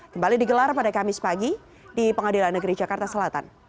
kembali digelar pada kamis pagi di pengadilan negeri jakarta selatan